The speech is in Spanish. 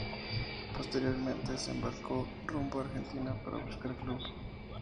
Posteriormente se embarcó rumbo a Argentina para buscar club.